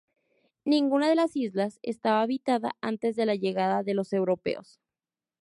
Ninguna de las islas estaba habitada antes de la llegada de los europeos.